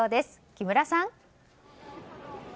木村さん。